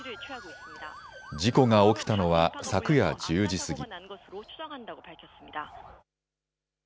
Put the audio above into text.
事故が起きたのは昨夜１０時過ぎ。